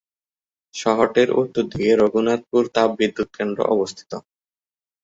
শহরটির উত্তর দিকে রঘুনাথপুর তাপবিদ্যুৎ কেন্দ্র অবস্থিত।